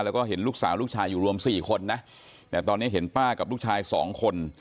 แล้วก็เห็นลูกสาวลูกชายอยู่รวมสี่คนนะแต่ตอนนี้เห็นป้ากับลูกชายสองคน